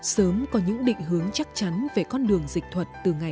sớm có những định hướng chắc chắn